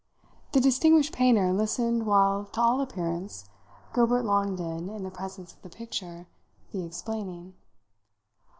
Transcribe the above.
The distinguished painter listened while to all appearance Gilbert Long did, in the presence of the picture, the explaining.